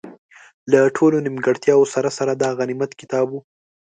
له ټولو نیمګړتیاوو سره سره، دا غنیمت کتاب وو.